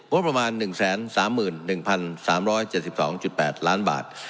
ประมาณ๑๓๑๓๗๒๘ล้านบาท